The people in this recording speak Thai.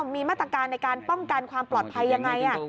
มีมาตรการในการป้องกันความปลอดภัยยังไง